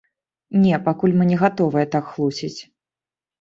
Не, пакуль мы не гатовыя так хлусіць.